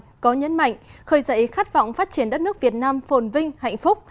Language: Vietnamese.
có nhấn mạnh khởi dậy khát vọng phát triển đất nước việt nam phồn vinh hạnh phúc